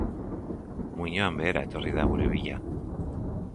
Muinoan behera etorri da gure bila.